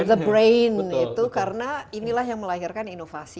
the brain itu karena inilah yang melahirkan inovasi